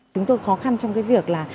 chúng tôi khó khăn trong cái việc là